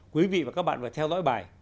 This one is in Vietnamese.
quý vị và các bạn phải theo dõi bài